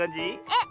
えっ。